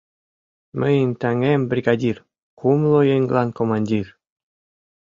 «Мыйын таҥем бригадир, кумло еҥлан командир...»